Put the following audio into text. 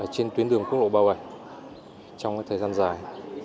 trên tuyến đường quốc lộ ba mươi bảy trong thời gian dài